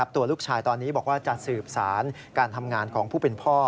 ตัวลูกชายตอนนี้บอกว่าจะสืบสารการทำงานของผู้เป็นพ่อ